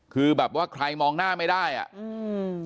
คือแบบว่าใครมองหน้าไม่ได้อ่ะอืม